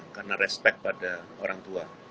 karena respect pada orang tua